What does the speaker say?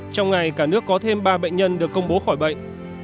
trong ngày cả nước có thêm ba bệnh nhân được công bố khỏi bệnh